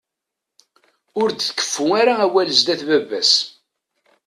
Ur d-tkeffu ara awal zdat baba-s.